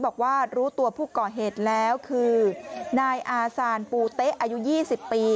บอกว่ารู้ตัวผู้ก่อเหตุแล้วคือนายอาซานปูเต๊ะอายุ๒๐ปี